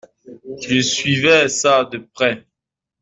Je suivais ça de près.